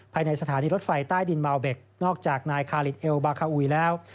ภายในสถานีรถไฟใต้ดินเมาเบ็กนอกจากนายคาลิดเอลบาคาอุยแล้ว